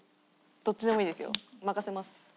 どっちでもいいですよ任せます。